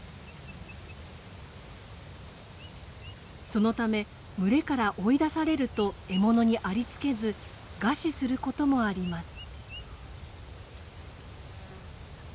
そのため群れから追い出されると獲物にありつけず餓死することもあります。